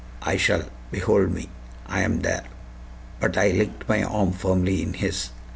I shall. Behold me I am there." But I linked my arm firmly in his.